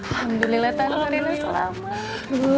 alhamdulillah renna selamat